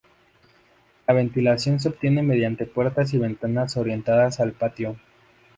La ventilación se obtiene mediante puertas y ventanas orientadas al patio.